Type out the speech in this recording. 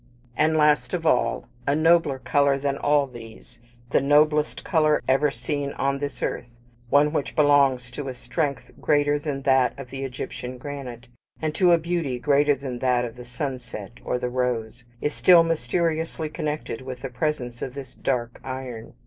And last of all: A nobler colour than all these the noblest colour ever seen on this earth one which belongs to a strength greater than that of the Egyptian granite, and to a beauty greater than that of the sunset or the rose is still mysteriously connected with the presence of this dark iron.